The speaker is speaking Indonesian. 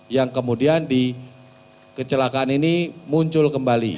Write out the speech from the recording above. yang kemudian di kecelakaan ini muncul kembali